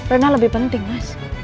rena lebih penting mas